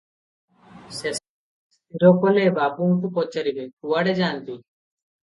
ଶେଷରେ ସ୍ଥିର କଲେ, ବାବୁଙ୍କୁ ପଚାରିବେ, କୁଆଡ଼େ ଯାନ୍ତି ।